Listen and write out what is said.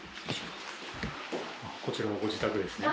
こちらがご自宅ですね。